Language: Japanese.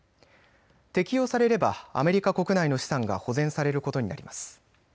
適用されればアメリカ国内の資産が保全されることになります。